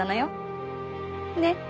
ねっ。